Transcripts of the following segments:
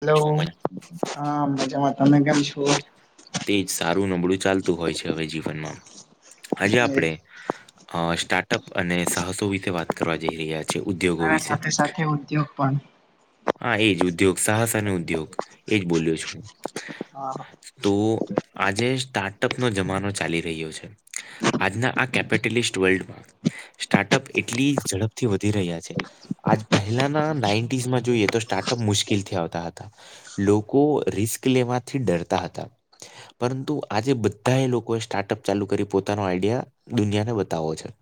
Hello હા મજામાં તમે કેમ છો તે જ સારું નબળું ચાલતું હોય છે હવે જીવનમાં આજે આપણે અ સ્ટાર્ટઅપ અને સાહસો વિશે વાત કરવા જઈ રહ્યા છે ઉદ્યોગો અને વિશે સાથે સાથે ઉદ્યોગ પણ હા એજ ઉદ્યોગ સાહસ અને ઉદ્યોગ એજ બોલ્યો છ હું હા તો આજે સ્ટાર્ટઅપ નો જમાનો ચાલી રહ્યો છે આજના આ કેપિટલિસ્ટ વર્લ્ડમાં સ્ટાર્ટઅપ એટલી ઝડપથી વધી રહ્યા છે આજ પહેલાના નાઇન્ટીસમાં જોઈએ તો સ્ટાર્ટઅપ મુશ્કેલથી આવતા હતા. લોકો રિસ્ક લેવાથી ડરતા હતા. પરંતુ આજે બધા એ લોકોએ સ્ટાર્ટઅપ ચાલુ કરી પોતાનો આઈડિયા દુનિયા ને બતાવો છે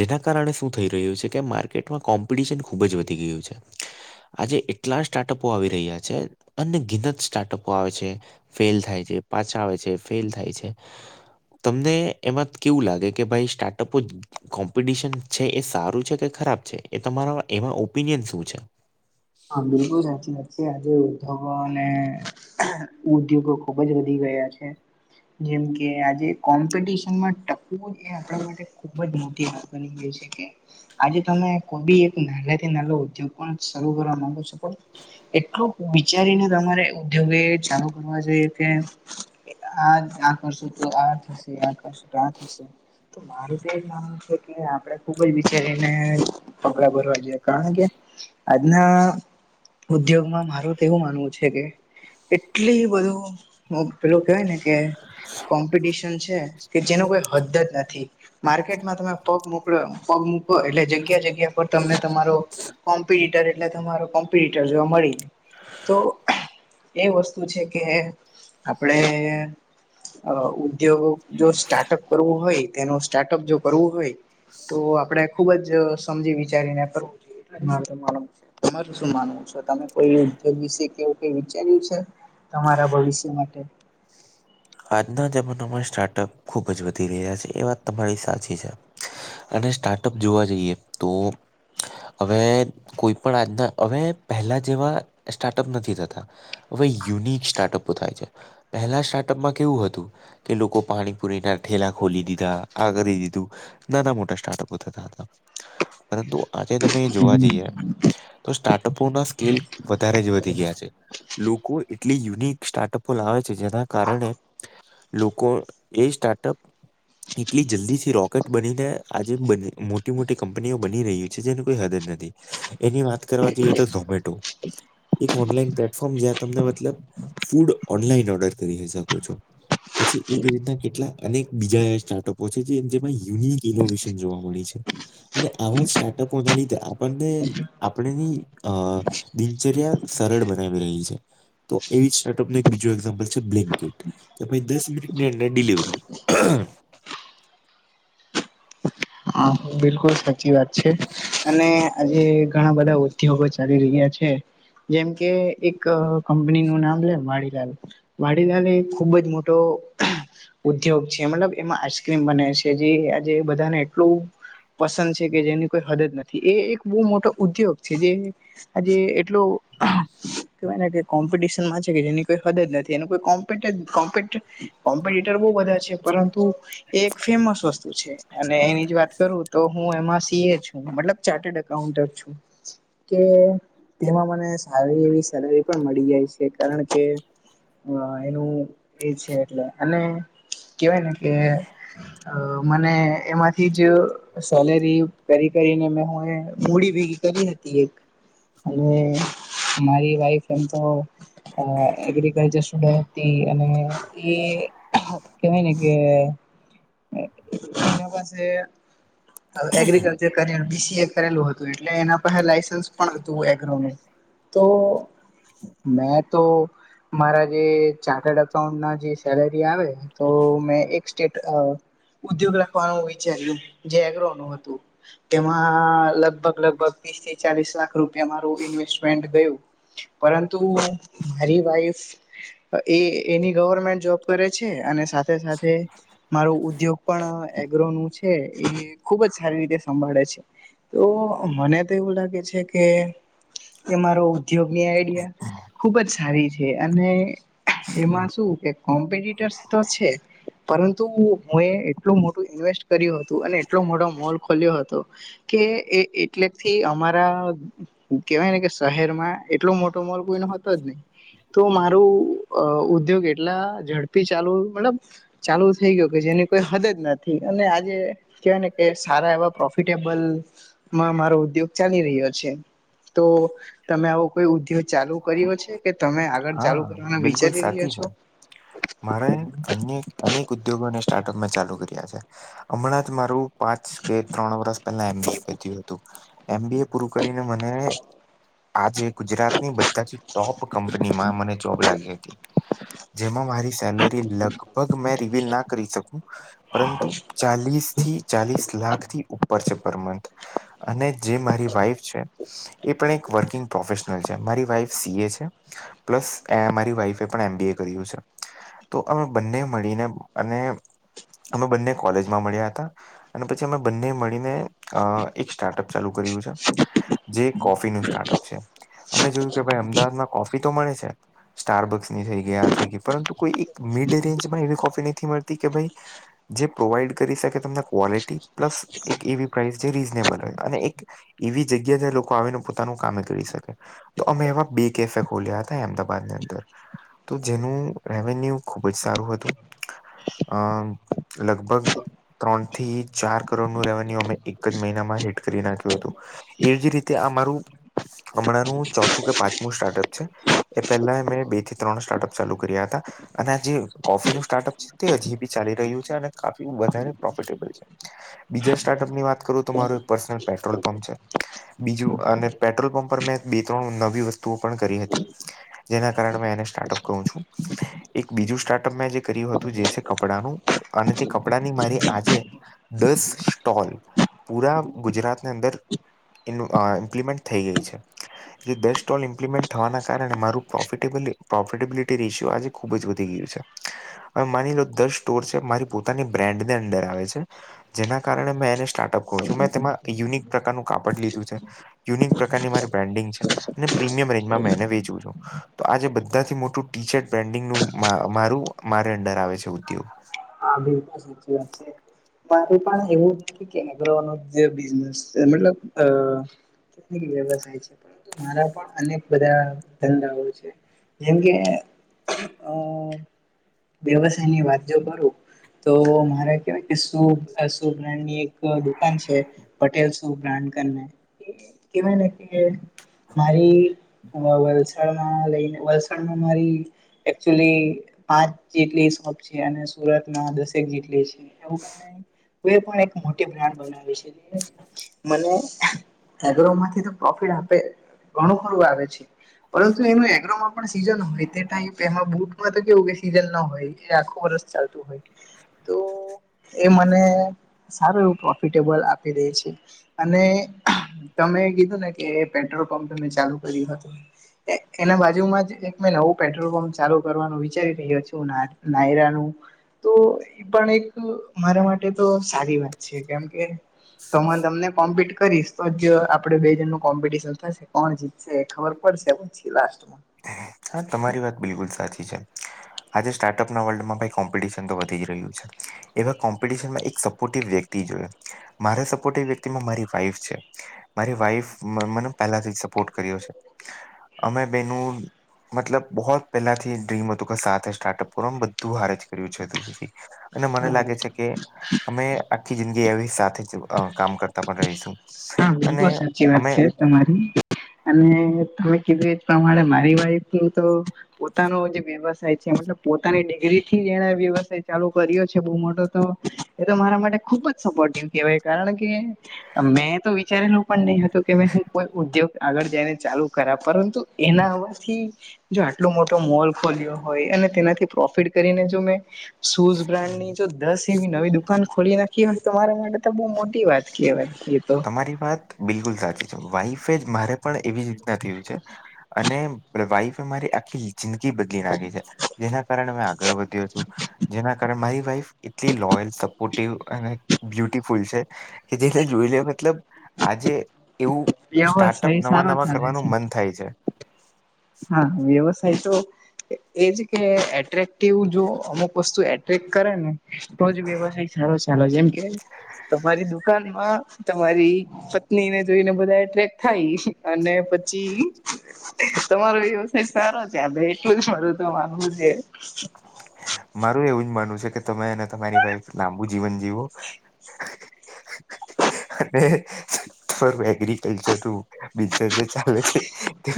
જેના કારણે શું થઈ રહ્યું છે કે માર્કેટમાં કોમ્પિટિશન ખૂબ જ વધી ગયું છે આજે એટલા સ્ટાર્ટઅપો આવી રહ્યા છે અને ગીનત સ્ટાર્ટઅપો આવે છે ફેલ થાય છે પાછા આવે છે ફેલ થાય છે તમને એમાં કેવું લાગે કે ભાઈ સ્ટાર્ટઅપો કોમ્પિટિશન છે એ સારું છે કે ખરાબ છે એ તમારા એમાં ઓપિનિયન શું છે? હા બિલકુલ સાચી વાત છે આજે ઉધ્યોગો અને ઉદ્યોગો ખુબ જ વધી ગયા છે. જેમકે આજે કોમ્પિટશનમાં ટકવું એ આપણા માટે ખુબ જ મોટી વાત બની ગઈ છે કે આજે તમે કોઈ બી એક નાના થી નાનો ઉદ્યોગ પણ શરૂ કરવા માગું છું તો એટલું વિચારીને તમારે ઉદ્યોગ એ ચાલુ કરવા જોઈએ કે પેલા આ આકર્ષ આ થશે આકર્ષ આ થશે. તો મારું તો એ માનવું છે કે આપડે ખુબજ વિચારીને પગડા ભરવા જોઈએ કારણ કે આજના ઉદ્યોગમાં મારું તો એવું માનવું છે કે એટલી બધું પેલું કેહેવાય ને કે કોમ્પિટિશન છે કે જેનું કોઈ હદજ નથી. માર્કેટમાં તમે પગ મોકલો પગ મૂકો એટલે જગ્યા જગ્યા પર તમને તમારો કોમ્પિટટર એટલે તમારો કોમ્પિટટર જોવા મળી જ તો એ વસ્તુ છે કે આપણે અ ઉદ્યોગ જો સ્ટાર્ટઅપ કરવું હોય તેનું સ્ટાર્ટઅપ જો કરવું હોય. તો આપડે ખુબજ સમજી વિચારીને કરવું જોઈએ એટલા માટે શું માનવો છો તમે કોઈ ઉદ્યોગ વિશે કેવું કઈ વિચાર્યું છે તમારા ભવિષ્ય માટે. આજના જમાનામાં સ્ટાર્ટઅપ ખુબજ વધી રહ્યા છે એ વાત તમારી સાચી છે. અને સ્ટાર્ટઅપ જોવા જઈએ તો હવે કોઈ પણ આજના હવે પહેલા જેવા સ્ટાર્ટઅપ નથી થતા. હવે યુનિક સ્ટાર્ટઅપો થાય છે પહેલા સ્ટાર્ટઅપમાં કેવું હતું. કે લોકો પાણીપુરી ના ઠેલા ખોલી દીધા આ કરી દીધું. નાના મોટા સ્ટાર્ટઅપ થતા હતા પરંતુ આજે તમે જોવા જઈએ. તો સ્ટાર્ટઅપો ના સ્કેલ વધારેજ વધી ગયા છે. લોકો એટલી યુનિક સ્ટાર્ટઅપો લાવે છે જેના. કારણે લોકો એ સ્ટાર્ટઅપ એટલી જલ્દી થી રોકેટ બનીને આજે બની મોટી મોટી કંપનીઓ બની રહી જેની કોઈ હદદ નથી એની વાત કરવા જઈએ તો ઝોમેટો એક ઓનલાઈન પ્લેટફોર્મ જ્યાં તમે મતલબ ફૂડ ઓનલાઈન ઓર્ડર કરી શકો છો. પછી એ જ રીતના કેટલા અનેક બીજા એવા સ્ટાર્ટઅપો છે જે જેમાં યુનિક ઇનોવેશન જોવા મળી છે. અને આવાજ સ્ટાર્ટઅપોના લીધે આપણને આપણેની અ દિનચર્યા સરળ બનાવી રહી છે તો એવી સ્ટાર્ટઅપને એક બીજું એક્ઝામ્પલ છે બ્લિંકિટ આપણે દસ મિનિટની અંદર ડિલિવરી. હા બિલકુલ સાચી વાત છે અને આજે ઘણા બધા ઉદ્યોગો ચાલી રહ્યા છે. જેમ કે એક કંપની નું નામ લે વાળીલાલ વાડીલાલ એ એક ખુબજ મોટો ઉદ્યોગ છે મતલબ એમાં આઈસક્રીમ બને છે જે આજે બધાને એટલું પસંદ છે કે જેની કોઈ હદ નથી એ એક બહુ મોટો ઉદ્યોગ છે જે આજે એટલો હમ્મ. કેવાય ને કે કોમ્પિટિશનમાં છે કે જેની કોઈ હદ નથી એ કોમપીટ કોમપીટ. કોમ્પિટીટર બહુ બધા છે પરંતુ એ એક ફેમસ વસ્તુ છે અને એની જ વાત કરું તો હું માં સી એ છું મતલબ ચાર્ટડ એકાઉટર છું. કે તેમાં મને સારી એવી સેલરી પણ મળી જાય છે કારણ કે હ એનું એ છે એટલે અને કેવાય ને કે અ મને એમાં થી જ સેલેરી કરી કરીને મે હ મૂડી ભેગી કરી હતી એક અને મારી વાઈફ એમ તો અ એગ્રીિકલ્ચર સ્ટુડ હતી અને એ કેવાય ને કે એના પાસે એ એગ્રીકલ્ચર કરેલું બી, સી, એ કરેલું હતું, એટલે એના પાહે લાયસન્સ પણ હતું, એગ્રોનું તો મેં તો મારા જે ચાર્ટર્ડ અકાઉન્ટ ના જે સેલેરી આવે. તો મેં એક સ્ટેટ ઉદ્યોગ રાખવાનું વિચાર્યું જે એગ્રો નું હતું. તેમાં લગભગ લગભગ તીસ થી ચાલીસ લાખ રૂપિયા મારું ઇન્વેસ્ટમેન્ટ ગયું. પરંતુ મારી વાઈફ એ એની ગવર્મેન્ટ જોબ કરે છે, અને સાથે સાથે સાથે મારું ઉદ્યોગ પણ એગ્રોનું છે, એ ખુબ જ સારી રીતે સંભાળે છે. તો મને તો એવું લાગે છે, કે એ મારો ઉદ્યોગની આઈડિયા ખુબ જ સારી છે, અને એમાં શું કે કોમ્પિટર્સ તો છે. પરંતુ હું એ એટલું મોટું ઇન્વેસ્ટ કર્યું હતું અને એટલો મોટો મોલ ખોલ્યો હતો, કે એટલેથી અમારા કેવાય ને કે શહેરમાં એટલો મોટો મોલ કોઈ નો હતો, જ નહી તો મારું અ ઉદ્યોગ એટલા ઝડપી ચાલુ મતલબ ચાલુ થઈ ગયું કે જેની કોઈ હદ જ નથી, અને આજે કેવાય ને કે સારા એવા પ્રોફિટેબલ માં મારો ઉદ્યોગ ચાલી રહ્યો છે, તો તમે આવો કોઈ ઉદ્યોગ ચાલુ કર્યો છે, કે તમે આગળ ચાલુ હા કરવાના બિલકુલ વિચારી સાચી રહ્યા છો? છે મારે અનેક અનેક ઉદ્યોગોને સ્ટાર્ટઅપ મે ચાલુ કર્યા છે. હમણાં જ મારું પાંચ કે ત્રણ વર્ષ પહેલા એમબી એ પત્યું હતું. એમ બી એ પૂરું કરીને મને આજે ગુજરાતની બધા જ ટોપ કંપનીમાં મને જોબ લાગી હતી. જેમાં મારી સેલરી લગભગ મેં રિવિલ ના કરી શકું. પરંતુ ચાલીસથી ચાલીસ લાખથી ઉપર છે, પર મંથ. અને જે મારી વાઈફ છે, એ પણ એક વર્કિંગ પ્રોફેશનલ છે, મારી વાઈફ સીએ છે. પ્લસ તે મારી વાઈફે પણ એમબી એ કર્યું છે. તો અમે બંને મળીને અને અમે બંને કોલેજમાં મળ્યા હતા. અને પછી અમે બંને મળીને અ એક સ્ટાર્ટઅપ ચાલુ કર્યું છે. જે કોફી નું સ્ટાર્ટઅપ છે, અમે જોયું કે ભાઈ અમદાવાદમાં કોફી તો મળે છે. સ્ટારબક્સ ની થઈ ગઈ આ થઈ ગઈ પરંતુ કોઈ એક મિડ રેન્જમાં એવી કોફી નથી મળતી કે ભાઈ જે પ્રોવાઈડ કરી શકે, તમને ક્વોલિટી પ્લસ એક એવી પ્રાઇસ જે રીઝનેબલ હોય, અને એક એવી જગ્યા જે લોકો આવીને પોતાનું કામે કરી શકે. તો અમે એવા બી કેફે ખોલ્યા હતા, એમદાબાદની અંદર. તો જેનું રેવન્યુ ખુબ જ સારું હતું. આમ લગભગ ત્રણ થી ચાર કરોડ નું રેવન્યુ અમે એક જ મહિનામાં હેટ કરી નાખ્યું હતું. એ જ રીતે આ મારું હમણાંનું ચોથું કે પાંચમું સ્ટાર્ટઅપ છે, એ પહેલા એ મેં બે થી ત્રણ સ્ટાર્ટઅપ ચાલુ કર્યા હતા. અને આજે કોફીનું સ્ટાર્ટઅપ છે તે હજી બી ચાલી રહ્યું છે, અને કાફી વધારે પ્રોફેટેબલ છે. બીજા સ્ટાર્ટઅપની વાત કરું તો મારું એક પર્સનલ પેટ્રોલ પંપ છે, બીજું અને પેટ્રોલપંપ. પર મેં એક બે- ત્રણ નવી વસ્તુઓ પણ કરી હતી, જેના કારણે મેં એને સ્ટાર્ટઅપ કહું છું. એક બીજું સ્ટાર્ટઅપ મેં જે કર્યું હતું, જે છે કપડાનું અને તે કપડાની મારી આજે દસ સ્ટોલ પુરા ગુજરાતની અંદર એનું એ ઇમ્પ્લિમેન્ટ થઈ ગઈ છે. એ બે સ્ટોલ ઇમ્પલિમેન્ટ થવાના કારણે મારુ પ્રોફેટેબલી પ્રોફિટેબિલિટી રેશિયો આજે ખુબ જ વધી ગયું છે, હવે માનીલો દર સ્ટોર છે, મારી પોતાની બ્રાન્ડની અંદર આવે છે. જેના કારણે મેં એને સ્ટાર્ટઅપ કવ છું મેં તેમાં યુનિક પ્રકારનું કાપડ લીધું છે યુનિક પ્રકારની મારી બ્રેન્ડિંગ છે. અને પ્રીમિયમ રેન્જમાં મેં એને વેચું છું. તો આજે બધાથી મોટું ટી શર્ટ પેન્ડિંગનું મારું મારે અંડર આવે છે ઉદ્યોગ. હા બિલકુલ સાચી વાત છે. [unintelligible] બિઝનેસ છે મતલબ અ [inaudible] વ્યવસાય છે. પરંતુ મારા પણ અનેક બધા ધંધાઓ છે. જેમ કે અ વ્યવસાયની વાત જો કરું તો મારે કેવાય કે શુભ અશુભ બ્રાન્ડની એક દુકાન છે. પટેલ શુ બ્રાન્ડ કરને કે કેવાયને કે મારી વ વલસાડમાં લઈને વલસાડમાં મારી એક્ચ્યુલી પાંચ જેટલી શોપ છે. અને સુરત ના દસેક જેટલી છે [unintelligible] તોય પણ એક મોટી બ્રાન્ડ બનાવે છે જે અને મને અગરોમાંથી તો પ્રોફિટ આપે ઘણું ખરું આવે છે. પરંતુ એનું એગ્રોમાં પણ સીઝન હોય તે ટાઈમ તો એમાં બુટમાં તો કેવું કે સીઝન ન હોય એ આખું વરસ ચાલતું હોય. તો એ મને સારું એવું પ્રોફિટેબલ આપી દે છે. અને તમે કીધું ને કે પેટ્રોલપંપ મેં ચાલુ કર્યું હતું. એ એના બાજુમાં જ એક મેં નવું પેટ્રોલપંપ ચાલુ કરવાનું વિચારી રહ્યો છું ના નાયરાનું. તો ઈ પણ એક મારા માટે તો સારી વાત છે. કેમ કે તમ તમને કોમ્પિટ કરીશ તો જ આપણે બે જણનું કોમ્પિટશન થશે કોણ જીતશે એ ખબર પડશે. પછી લાસ્ટમાં. હા તમારી વાત બિલકુલ સાચી છે. આજે સ્ટાર્ટઅપના વર્લ્ડમાં ભઈ કોમ્પિટિશન તો વધી જ રહ્યું છે. એવા કોમ્પિટિશનમાં એક સપોટીવ વ્યક્તિ જોયે. મારા સપોટીવ વ્યક્તિમાં મારી વાઈફ છે. મારી વાઈફ મ મને પેલાથી સપોર્ટ કર્યો છે. અમે બેનું હમ મતલબ બહોત પહેલાથી ડ્રીમ હતું કે સાથે સ્ટાર્ટઅપ કરું આમ બધ બધું હારેજ કર્યું છે તુ સુધી. અને મને લાગે છે હા કે અમે આખી જિંદગી એવી સાથે જ અ કામ કરતા પણ રહીશું. હા અને બિલકુલ સાચી વાત અમે છે તમારી. અને તમે કીધું એ જ પ્રમાણે મારી વાઈફ એવું તો પોતાનો જે વ્યવસાય છે. મતલબ પોતાની ડિગ્રીથી જ એણે વ્યવસાય ચાલુ કર્યો છે બહુ મોટો તો એ તો મારા માટે ખુબ જ સપોર્ટિવ કહેવાય કારણ કે મેં તો વિચારેલું પણ નહી હતું કે મેં હું કોઈ ઉદ્યોગ આગળ જઈને ચાલુ કરા પરંતુ એના આવાથી જો આટલો મોટો મોલ ખોલ્યો હોય. અને તેનાથી પ્રોફિટ કરીને જો મેં શૂઝ બ્રાન્ડની જો દસ એવી નવી દુકાન ખોલી નાખી હોય તો મારા માટે તો બહુ મોટી વાત કેવાય એતો. તારી વાત બિલકુલ સાચી છે. વાઈફે જ મારે પણ એવી જ રીતના થયું છે. અને વાઈફએ મારી આખી જિંદગી બદલી નાખી છે. જેના કારણે મેં આગળ વધ્યો છું. જેના કારણે મારી વાઈફ એટલી લોયલ, સપોર્ટિવ અને બ્યુટીફુલ છે. કે જેને જોઈ લેવે આજે એવું સ્ટાર્ટઅપ વ્યવસાય નવા સારો નવા ચાલે છે કરવાનું મન થાય છે. હા વ્યવસાય તો એજ કે એટ્રેક્ટિવ જો અમુક વસ્તુ એટ્રેક્ટ કરે ને. તોજ વ્યવસાય સારો સાલે જેમ કે તમારી દુકાનમાં તમારી પત્ની ને જોઈને બધા એટ્રેક થાય અને પછી તમારો વ્યવસાય સારો છે. આપણે એટલું જ મારું તો માનવું છે. મારું એવું જ માનવું છે કે તમે અને તમારી વાઈફ લાંબુ જીવન જીવો. અને [inaudible] એગ્રીકલ્ચર ટુ બીજા જે ચાલે છે તે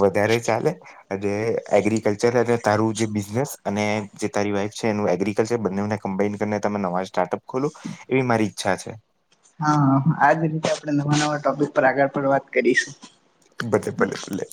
વધારે ચાલે. અને એગ્રિકલ્ચર અને તારું જે બિઝનેસ અને જે તારી વાઈફ છે એનું એગ્રીિકલ્ચર બંનેને કમ્બાઇન કરીને તમે નવા સ્ટાર્ટઅપ ખોલું. એ મારી ઈચ્છા છે. હા આજ રીતે આપણે નવા નવા ટોપિક પર આગળ પણ વાત કરીશું. બલે ભલ્લે ભલે.